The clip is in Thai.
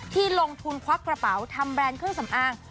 ที่ลงทุนควักกระเป๋าทำแบรนด์เครื่องสำอาง